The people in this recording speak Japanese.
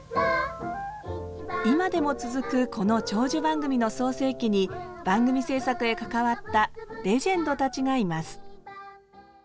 今でも続くこの長寿番組の創成期に番組制作へ関わったレジェンドたちがいます。